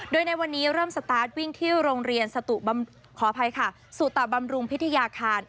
โดยในวันนี้เริ่มสตาร์ทวิ่งที่โรงเรียนขออภัยค่ะสุตะบำรุงพิทยาคาร